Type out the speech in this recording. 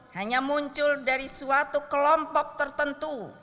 hanya muncul dari suatu kelompok tertentu